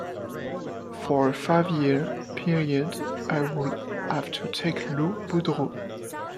For a five-year period, I would have to take Lou Boudreau.